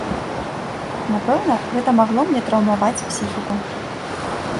Напэўна, гэта магло мне траўмаваць псіхіку.